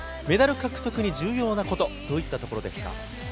メダル獲得に重要なことはどういったことですか？